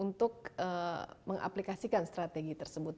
untuk mengaplikasikan strategi tersebut